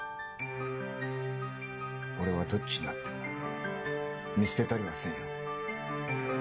俺はどっちになっても見捨てたりはせんよ。